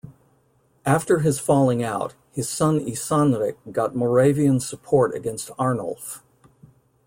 After his falling out, his son Isanrich got Moravian support against Arnulf.